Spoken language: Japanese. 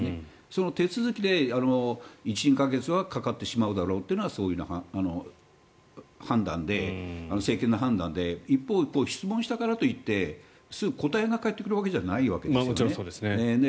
その手続きで１２か月はかかってしまうだろうというのが総理の請求の判断で一方、質問したからといってすぐ答えが返ってくるわけじゃないんです。